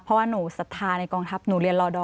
เพราะว่าหนูศรัทธาในกองทัพหนูเรียนรอดอร์